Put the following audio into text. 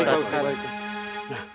sekarang kita urus jendal jangga